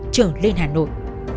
trở lên hà nội